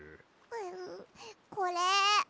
これ。